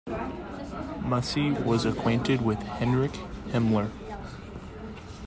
Musy was acquainted with Heinrich Himmler.